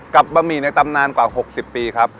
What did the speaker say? บะหมี่ในตำนานกว่า๖๐ปีครับ